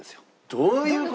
どういう事？